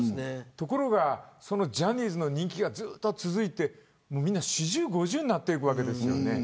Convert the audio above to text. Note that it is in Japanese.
ところがその人気がずっと続いてみんな、４０、５０になっていくわけですよね。